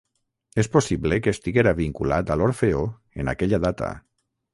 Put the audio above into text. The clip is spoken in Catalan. És possible que estiguera vinculat a l'Orfeó en aquella data.